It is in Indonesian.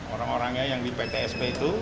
orang orangnya yang di pt sp itu